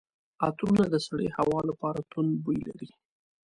عطرونه د سړې هوا لپاره توند بوی لري.